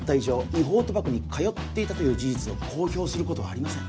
違法賭博に通っていた事実を公表することはありません